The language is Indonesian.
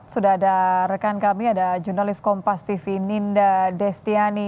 sudah ada rekan kami ada jurnalis kompas tv ninda destiani